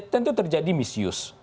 tentu terjadi misius